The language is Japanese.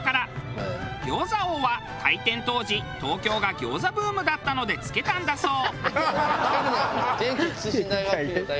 「餃子王」は開店当時東京が餃子ブームだったので付けたんだそう。